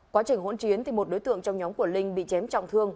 quá trình hỗn chiến thì một đối tượng trong nhóm của linh bị chém trọng thương